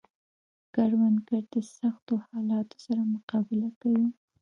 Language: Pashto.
کروندګر د سختو حالاتو سره مقابله کوي